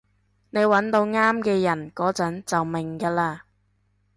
你搵到啱嘅人嗰陣就明㗎喇